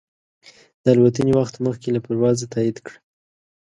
د الوتنې وخت مخکې له پروازه تایید کړه.